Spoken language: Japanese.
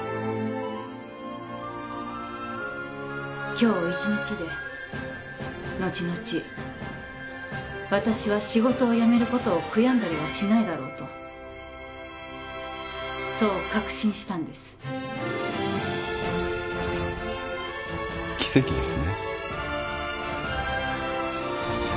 今日一日で「後々私は仕事を辞めることを悔やんだりはしないだろう」とそう確信したんです奇跡ですね